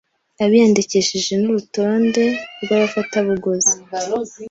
abiyandikishije n’urutonde rwabafatabuguzi